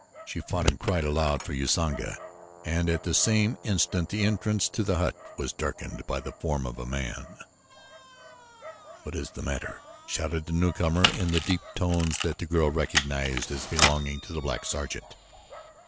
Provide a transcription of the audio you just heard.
She fought and cried aloud for Usanga and at the same instant the entrance to the hut was darkened by the form of a man. "What is the matter?" shouted the newcomer in the deep tones that the girl recognized as belonging to the black sergeant.